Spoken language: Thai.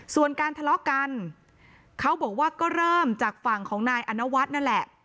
ส่วนการทะเลาะกันเขาบอกว่าก็เริ่มจากฝั่งของนายอนวัฒน์นั่นแหละ